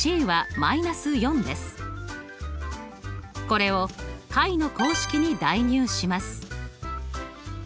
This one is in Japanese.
これを解の公式に代入します。